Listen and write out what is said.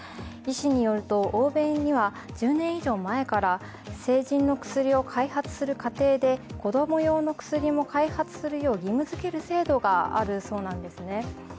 医師によると、欧米には１０年以上前から成人の薬を開発する過程で子供用の薬も開発するよう義務づける制度があるそうなんですね。